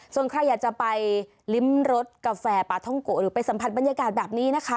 ส่วนใครอยากจะไปลิ้มรสกาแฟปลาท่องโกะหรือไปสัมผัสบรรยากาศแบบนี้นะคะ